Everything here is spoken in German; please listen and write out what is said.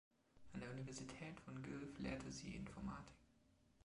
An der Universität von Guelph lehrte sie Informatik.